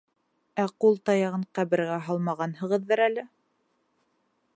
Ә ҡул таяғын ҡәбергә һалмағанһығыҙҙыр әле?